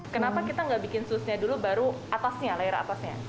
kenapa kita nggak bikin susnya dulu baru atasnya leher atasnya